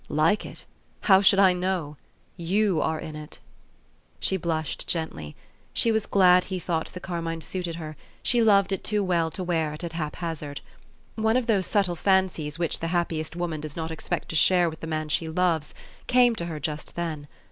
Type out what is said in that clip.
4 ' Like it ? How should I know ? You are in it ." She blushed gently : she was glad he thought the carmine suited her ; she loved it too well to wear it at hap hazard. One of those subtle fancies which the happiest woman does not expect to share with the man she loves, came to her just then.